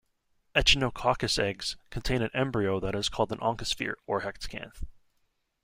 "Echinococcus" eggs contain an embryo that is called an oncosphere or hexcanth.